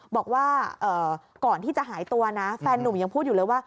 บอกว่าก่อนที่จะหายตัวนะแฟนนุ่มยังพูดอยู่เลยว่า